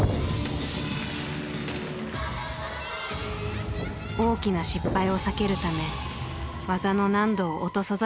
大きな失敗を避けるため技の難度を落とさざるをえませんでした。